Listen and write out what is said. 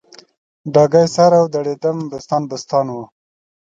ډاګی سر او دړیدم بوستان بوستان و